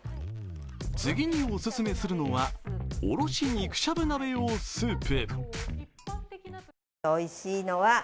次にお勧めするのが、おろし肉しゃぶ鍋用スープ。